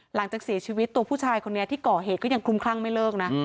หลังจากเสียชีวิตตัวผู้ชายคนนี้ที่ก่อเหตุก็ยังคลุมคลั่งไม่เลิกนะ